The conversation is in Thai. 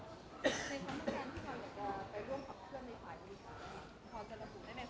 ในคำถามที่เราอยากจะไปร่วมกับเพื่อนในฝ่ายบริษัท